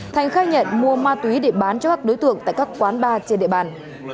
thành khai nhận mua ma túy để bán cho các đối tượng tại các quán bar trên địa bàn